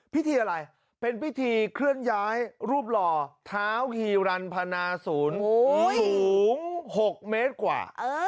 พิธีอะไรเป็นพิธีเคลื่อนย้ายรูปหล่อเท้าฮีรันพนาศูนย์สูง๖เมตรกว่า